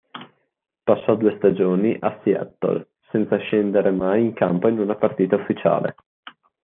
Passò due stagioni a Seattle, senza scendere mai in campo in una partita ufficiale.